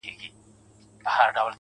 عزرایل سره قدم دی